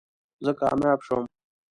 زه کامیاب شوم